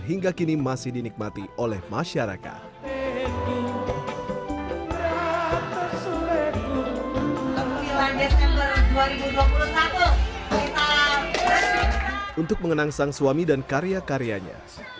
hingga kini masih dinikmati oleh masyarakat untuk mengenang sang suami dan karya karyanya